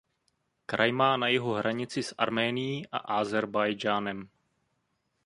Kraj má na jihu hranici s Arménií a Ázerbájdžánem.